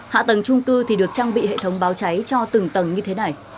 hạ tầng trung cư thì được trang bị hệ thống báo cháy cho từng tầng như thế này